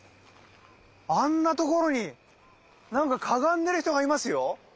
あんなところになんかかがんでる人がいますよ！